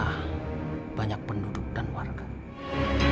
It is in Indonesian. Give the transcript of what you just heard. kita harus melihat tanpa sis amenang amenang saja